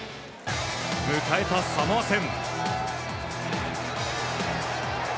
迎えたサモア戦。